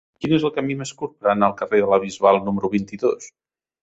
Quin és el camí més curt per anar al carrer de la Bisbal número vint-i-dos?